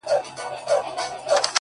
• ښوروله یې لکۍ کاږه ښکرونه ,